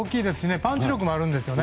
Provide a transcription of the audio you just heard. パンチ力もあるんですよね。